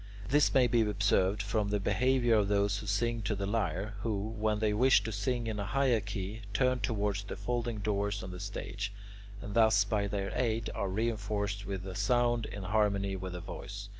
This may be observed from the behaviour of those who sing to the lyre, who, when they wish to sing in a higher key, turn towards the folding doors on the stage, and thus by their aid are reinforced with a sound in harmony with the voice.